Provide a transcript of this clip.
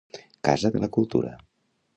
Casa de la Cultura